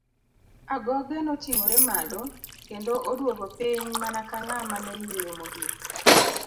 Agoge noting'ore malo kendo oduogo piny mana ka ng'ama ne yueyo mogik.